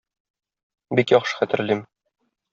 Бик яхшы хәтерлим.